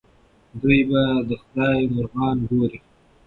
دوی به د خدای مرغان ګوري.